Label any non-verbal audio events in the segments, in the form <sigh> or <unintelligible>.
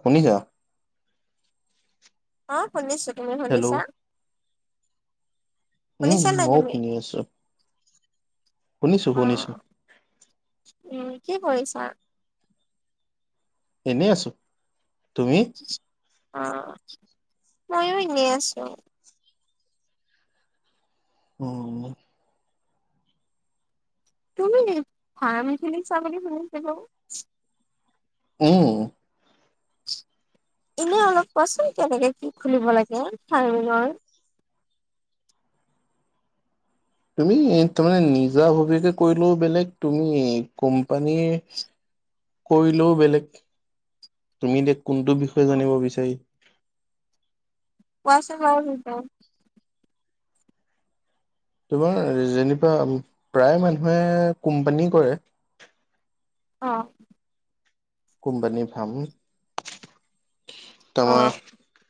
শুনিছ অ শুনিছো তুমি হেল্ল' শুনিছা উম শুনিছা নাই মও তুমি শুনি আছো শুনিছো অ শুনিছো উম কি কৰিছা এনেই আছো তুমি আহ ময়ো এনেই আছো উম তুমি ফাৰ্ম খিলিছা বুলি শুনিছিলোঁ উম এনে অলপ কোৱাচোন কেনেকে কি খুলিব লাগে চাৰমিনৰৰ তুমি তাৰমানে নিজা ভবীয়াকে কৰিলেও বেলেগ তুমি কোম্পানীৰ কৰিলেও বেলেগ তুমি এতিয়া কোনটো বিষয়ে অ জানিব বিচাৰি ছ গ তোমাৰ যেনিবা প্ৰায় মানুহে কোম্পানী কৰে অ কুমপানী ফাম অ তমাৰ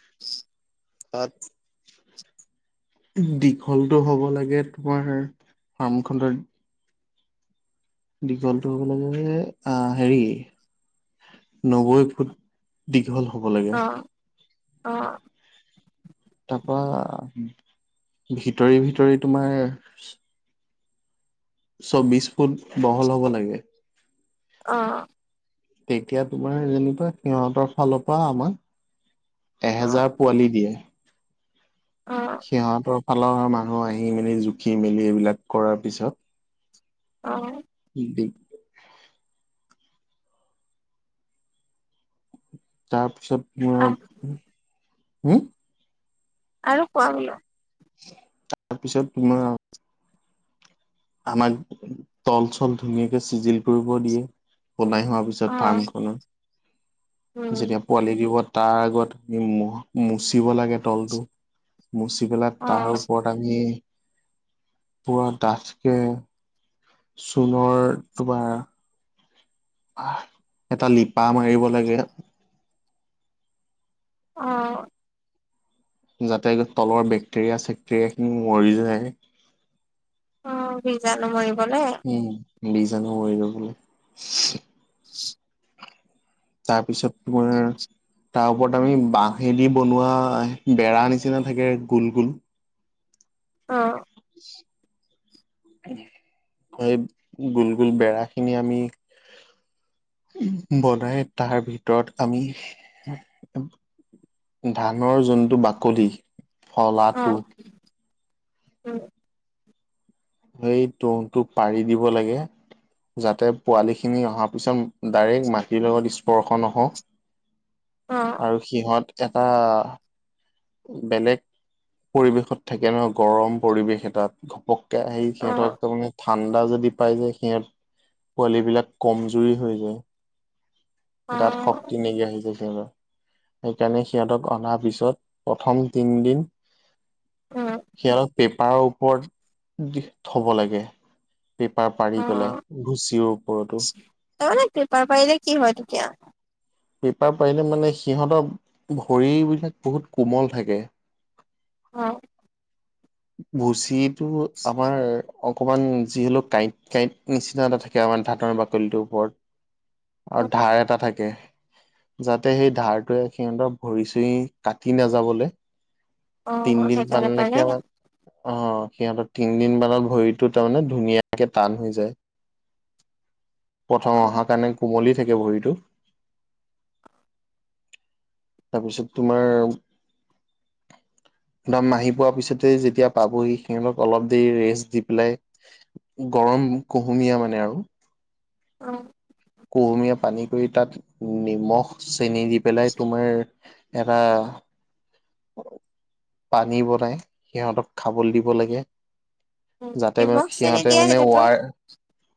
<unintelligible> তাত দীঘলতটো হ'ব লাগে তোমাৰ ফাৰ্ম খডত দীঘলটো হ'বলে অ হেৰি নব্বৈ ফুট দীঘল হব লাগে। অঁ। তাৰপৰা ভিতৰি - ভিতৰি তোমাৰ ফুট বহল হ'ব লাগে <inaudible> অঁ। তেতিয়া তোমাৰ যেনিবা সিহঁতৰ ফালৰ পৰা আমাৰ অ এহেজাৰ পোৱালী দিয়ে। অ সিহঁতৰ ফালৰ মানুহ আহি মেলি জুখি মেলি এইবিলাক কৰাৰ পিছত অঁ। ি <inaudible> তাৰ পিছত আহ মোৰ, হম'? আৰু কোৱা বোলো। তাৰ পিছত তোমাৰ আমাক তল- চল ধুনীয়াকে চিজিল কৰিব দিয়ে। লাই হোৱাৰ পিছত অ ফাৰ্মখননৰ উম যেতিয়া পোৱালি দিবত <inaudible> তাৰ আগত আমি মুচিব লাগে। তলটো মুচি পেলাই অ তাৰ ওপৰত আমি। - পুৰা দাঠ কে চোনৰ তোমাৰ এটা লিপা মাৰিব লাগে। অঁ। যাতে তলৰ বেক্টেৰিয়া-চেক্টেৰিয়া খিনি মৰি যায়। অ' বীজাণু মাৰিব। উম, বিজাণু মৰি যাব বোলে। <inaudible> তাৰপিছত মোৰ তাৰ ওপৰত আমি বাঁহেদি বনোৱা বেৰা নিচিনা থাকে, গোল গোল অহ <inaudible> সেই, গোল গোল বেৰা খিনি আমি বনাই তাৰ ভিতৰত আমি ধানৰ যোনটো বাকলি, অ ফলাটো উম এই তৰণটো পাৰি দিব লাগে। যাতে পোৱালিখিনি অহা পিছত ডাইৰেক্ট মাটিৰ লগত স্পৰ্শ নহওঁক। অ আৰু সিহঁত এটা। বেলেগ পৰিৱেশত থাকে নহয়, গৰম পৰিৱেশ এটাত ঘপক এতিয়া সেই অ হেতক তুমি ঠাণ্ডা যদি পাই যায়, সিহঁত পোৱালী বিলাক কমজুৰি হৈ যায়। অ গাত শক্তি নাইকিয়া হৈ যায় সিহঁতৰ, সেইকাৰণে সিহঁতক অনাৰ পিছত প্ৰথম তিন দিন, উম সিহতক পেপাৰৰ ওপৰত দি থব লাগে। পেপাৰ পাৰি অ পেলাই, ভুচিও ওপৰতো তাৰমানে পেপাৰ পাৰিলে কি হয় তেতিয়া পেপাৰ পাৰিলে মানে সিহঁতৰ, ভৰিবিলাক বহুত কোমল থাকে। অহ ভুচিটো আমাৰ অকণমান যি হলেও কাঁইট কাঁইট নিচিনা এটা থাকে আও ধাতৰ বাকলিটোৰ ওপৰত। আও ধাৰ এটা থাক কে যাতে সেই ধাৰটোৱে সিহঁতৰক ভৰি চুৰি কাটি নাযাবলে অ', তিনদিন পাল সেইকাৰণে নে পাৰে কে পাল অ সিহঁতৰ তিনদিনমানত ভৰিটো তাৰমানে ধুনীয়াকে টান হৈ যায়। প্ৰথম অ', অহাৰ কাৰণে কোমলি থাকে ভৰিটো। তাৰপিছত তোমাৰ একদম মাহি পোৱা পিছতে যেতিয়া পাবহি সিহঁতক অলপ দেৰি ৰেষ্ট দি পেলাই গ গৰম কুহুমীয়া মানে আও অ। কুহুমীয়া পানী কৰি তাত নিমখ চেনি দি পেলাই তোমাৰ এটা পানী বনাই সিহঁতক খাবলৈ দিব লাগে। যাতে নিমখ মানে চেনি সিহঁতে দিয়ে মানে সেইটোতো ৱাৰ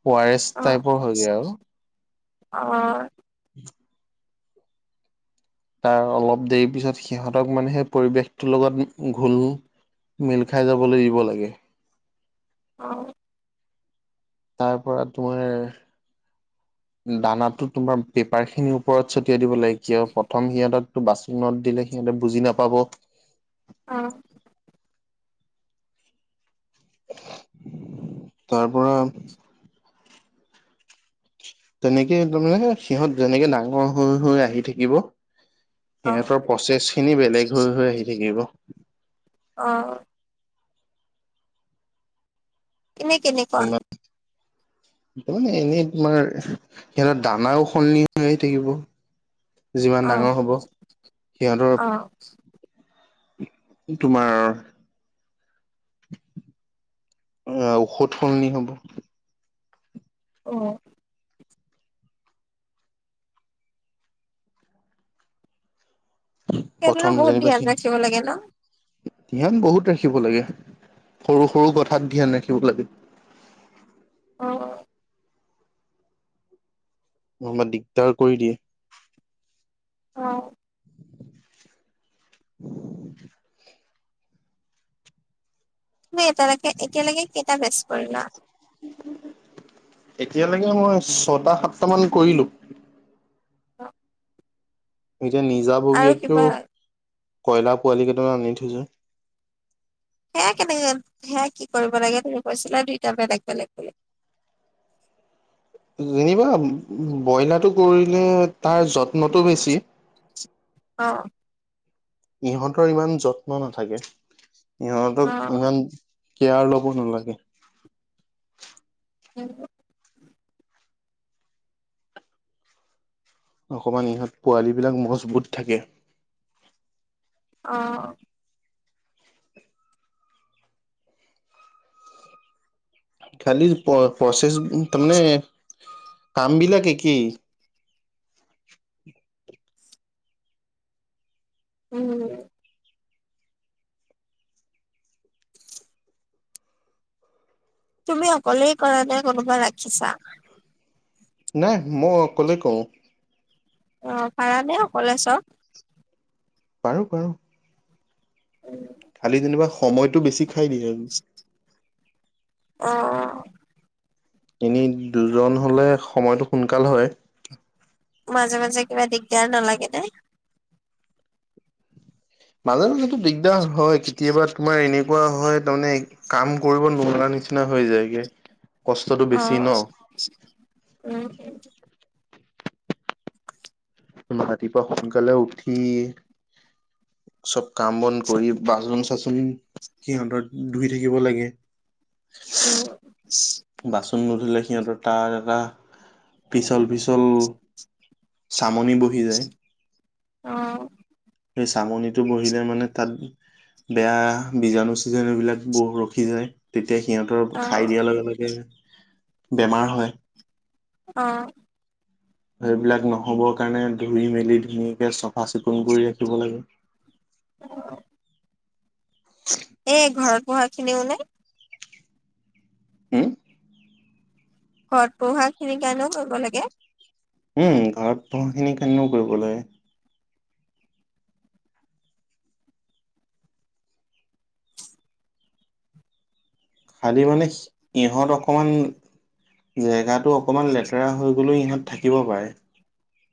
ৱাৰ এছ অ', টাইপৰ হয়গৈ আৰু অ <inaudible> তাৰ অলপ দেৰি পিছত সিহঁতক মানে সেই পৰিৱেশটোৰ লগত ঘোল মিল খাই যাবলৈ দিব লাগে। অ। তাৰ পৰা তোমাৰ দানা টো তোমাৰ পেপাৰ খিনিৰ ওপৰত চট টিয়াই দিব লাগে কিয় প্ৰথম সিহঁতক বাচনত দিলে সিহঁতে বুজি নাপাব অহ তাৰ পৰা তেনেকে তাৰমানে সিহঁত যেনেকে ডাঙৰ হৈ হৈ আহি থাকিব অ', সিহঁতৰ প্ৰচেছ খিনি বেলেগ হৈ হৈ আহি থাকিব অ', এনেই কেনেকুৱা নো ইমান মানে এনেই তোমাৰ সিহঁতৰ দানাও সলনি হৈয়ে থাকিব যিমান অ', ডাঙৰ হ'ব অ', অ', সিহঁতৰ তোমাৰ আহ ঔষধ সলনি হ'ব অ সেইবোৰো প্ৰথম বহুত যেনিবা সি ধ্যান ৰাখিব লাগে ন ধ্যান বহুত ৰাখিব লাগে সৰু সৰু কথাত ধ্যান ৰাখিব লাগে <unintelligible> অ নহ'বা দিগদাৰ কৰি দিয়ে অ <unintelligible> তুমি এতিয়ালৈকে এতিয়ালৈকে কেইটা বেছ কৰিলা এতিয়ালৈকে মই ছটা সাতট মান কৰিলো অ এতিয়া নিজাববীয়াকেও কয়লা পোৱালি কেইটা মান আনি থৈছো সেয়া কেনেকে সেয়া কি কৰিব লাগে তে কৈছিলে আৰু দুইটা বেলেগ বেলেগ বেলেগ <unintelligible> যেনিবা ব্ৰইলাৰটো কৰিলে তাৰ যত্নটো বেছি অ। ইহঁতৰ ইমান যত্ন নাথাকে। ইহঁতক অ', ইমান কেয়াৰ ল'ব নালাগে। কি <unintelligible> অকমান ইহঁত পোৱালী বিলাক মজবুত থাকে। অ। খালি প-প্ৰচেছ তাৰমানে, কাম বিলাক একেই। উম। তুমি অকলেই কৰা নে, কোনোবা ৰাখিছা? নাই মই কলেই কওঁ। অ পাৰানে অকলে চব? পাৰো পাৰো। খালি যেনিবা সময়টো বেছি খাই দিয়ে আৰু। অ' এনেই দুজন হলে সময়টো সোনকাল হয়। মাজে মাজে কিবা দিগদাৰ নালাগে নে? মাজে মাজেতো দিগদাৰ হয়, কেতিয়াবা তোমাৰ এনেকুৱা হয় তাৰমানে কাম কৰিব নোৱাৰা নিচিনা হৈ যায়গে। কষ্টটো অ বেছি ন উম উ <unintelligible> ৰাতিপুৱা সোনকালে উঠি, চব কাম বন কৰি, বাচন-চাচন সিহঁতৰ ধুই থাকিব লাগে। <inaudible> অঁ। বাচন নুধুলে সিহঁতৰ তাৰ এটা, পিচল পিছল চামনি বহি যায়। অ'। সেই চামনিটো বহিলে মানে তাত বেয়া বীজাণু ছিজানু বিলাক বহু ৰখি যায়, তেতিয়া সিহঁতৰ খাই অ' দিয়াৰ লগে, লগে বেমাৰ হয়। অ'। সেইবিলাক নহ'বৰ কাৰণে ধুই, মেলি ধুনীয়াকে চফা চিকুণ কৰি ৰাখিব লাগে। <unintelligible> এ, ঘৰত <unintelligible> খিনিও নে? হম ঘৰত পোহাখিনিৰ কাৰণেও কৰিব লাগে। উম, ঘৰত পোহাখিনিৰ কাৰণেও কৰিব লাগে। খালি মানে ইহঁত অকমান জেগাত টো, অকনমান লেতেৰা হৈ গ'লেও ইহঁত থাকিব পাৰে।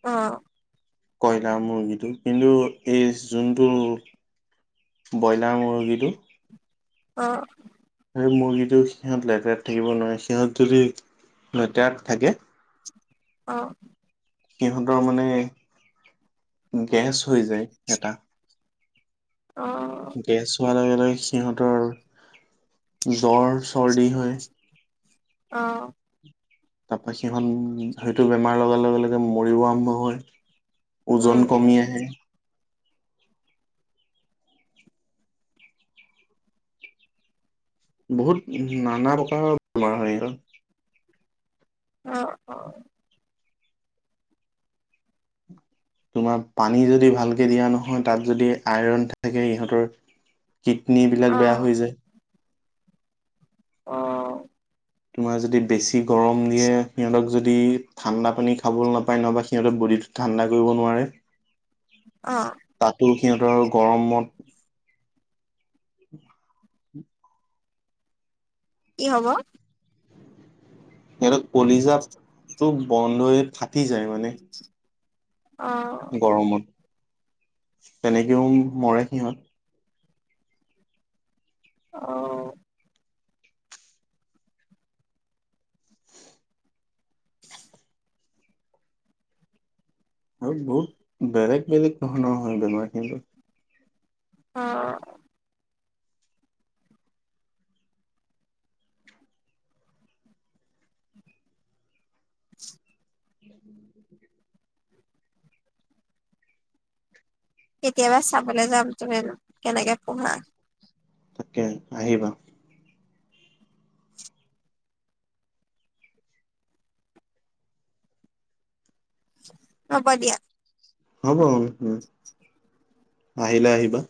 অ'। কয়লাৰ মুৰ্গীটো, কিন্তু এই যোনটো ব্ৰইলাৰ মুৰ্গীটো অ'। মুৰ্গীটো সিহঁত লেতেৰাত থাকিব নোৱাৰে, সিহঁত যদি লেতেৰাত থাকে অ'। সিহঁতৰ মানে গেছ হৈ যায় এটা। অ' গেছ হোৱাৰ লগে, লগে সিহঁতৰ জ্বৰ, চৰ্দি হয়। অ', তাৰপা সিহন সেইটো বেমাৰ লগাৰ লগে লগে মৰিব আৰম্ভ হয়। উম ওজন কমি উম আহে। বহুত নানা প্ৰকাৰৰ বেমাৰ হয় <unintelligible> অ', অ, <unintelligible> তোমাৰ পানী যদি ভালকে দিয়া নহয় তাত যদি আইৰণ থাকে ইহঁতৰ কিডনীবিলাক বেয়া অ' হৈ যায়। অ', তোমাৰ যদি বেছি গৰম দিয়ে সিহঁতক যদি, ঠাণ্ডা পানী খাবলৈ নাপায় না বা সিহঁতৰ <unintelligible> <unintelligible> ঠাণ্ডা কৰিব নোৱাৰে। অ', তাতো সিহঁতৰ আৰু গৰমত কি হ'ব? সিহঁতক কলিজাত, টো বন্ধ হৈ ফাটি যায় মানে। অ' গৰমত, তেনেকেও মৰে সিহঁত। অ', আৰু বহুত, বেলেগ বেলেগ ধৰণৰ হয় বেমাৰ খিনি। অ', <inaudible> <unintelligible> কেতিয়াবা চাবলে যাম, তুমিনো কেনেকে পঢ়া। তাকে আহিবা। ৰব দিয়া হব উম আহিলে আহিবা